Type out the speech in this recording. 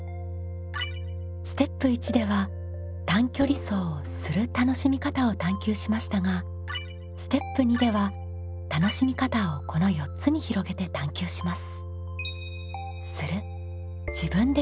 ステップ１では短距離走を「する」楽しみ方を探究しましたがステップ２では楽しみ方をこの４つに広げて探究します。